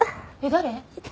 誰？